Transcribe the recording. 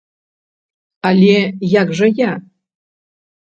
Але як жа я?